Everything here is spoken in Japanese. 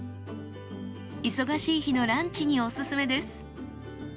忙しい日のランチにおすすめです。